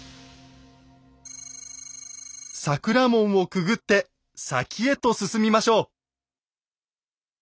桜門をくぐって先へと進みましょう。